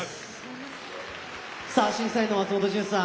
審査員の松本潤さん